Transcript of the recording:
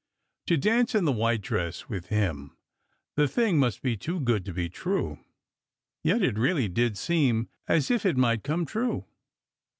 To dance in the white dress, with him ! The thing must be too good to be true. Yet it really did seem as if it might come true.